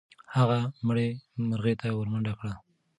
هغه مړې مرغۍ ته ورمنډه کړه.